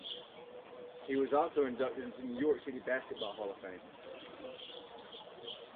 He was also inducted into the New York City Basketball Hall of Fame.